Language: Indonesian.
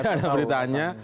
tidak ada beritanya